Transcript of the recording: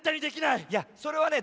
いやそれはね